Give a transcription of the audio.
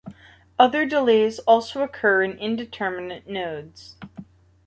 Other delays also occur in intermediate nodes.